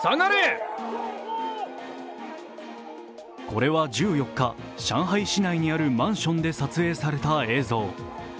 これは１４日、上海市内にあるマンションで撮影された映像。